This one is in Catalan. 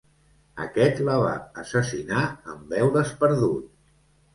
Aquest la va assassinar en veure's perdut.